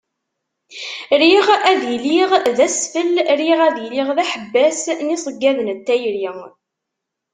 Riɣ ad iliɣ d asfel riɣ ad iliɣ d aḥebbas i yiṣeggaden n tayri.